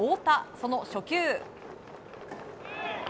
その初球。